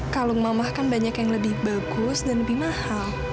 kalung mamah kan banyak yang lebih bagus dan lebih mahal